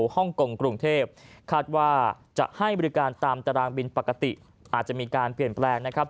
ฮ่องกงกรุงเทพคาดว่าจะให้บริการตามตารางบินปกติอาจจะมีการเปลี่ยนแปลงนะครับ